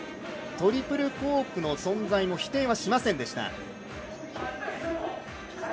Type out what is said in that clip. トリプルコークの存在も否定はしませんでした。